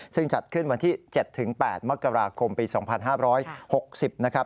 ซึ่งจัดขึ้นวันที่๗๘มกราคมปี๒๕๖๐นะครับ